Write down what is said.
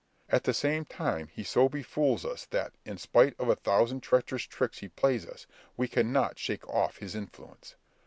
At the same time he so be fools us that, in spite of a thousand treacherous tricks he plays us, we cannot shake off his influence.